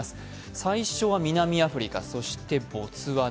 最初は南アフリカ、そしてボツワナ